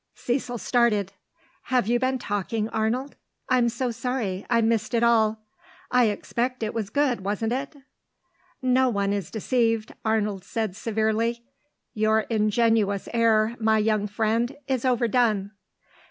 Cecil started. "Have you been talking, Arnold? I'm so sorry I missed it all. I expect it was good, wasn't it?" "No one is deceived," Arnold said, severely. "Your ingenuous air, my young friend, is overdone."